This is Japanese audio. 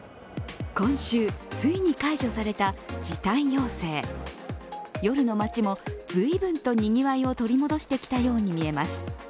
今週、ついに解除された時短要請夜の街も随分とにぎわいを取り戻してきたように見えます。